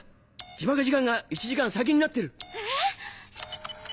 自爆時間が１時間先になってる。